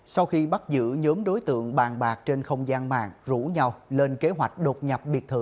sau khi bắt giữ nhóm đối tượng bàn bạc trên không gian mạng rủ nhau lên kế hoạch đột nhập biệt thự